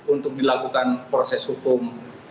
untuk dilakukan proses hukum